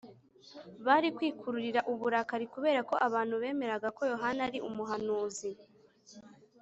bari kwikururira uburakari kubera ko abantu bemeraga ko yohana ari umuhanuzi